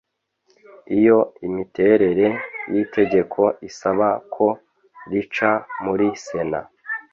Iyo imiterere y’itegeko isaba ko rica muri Sena